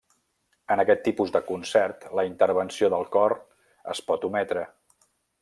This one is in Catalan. En aquest tipus de concert la intervenció del cor es pot ometre.